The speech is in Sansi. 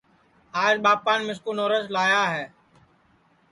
آج ٻاپان مِسکُو نورس لایا ہے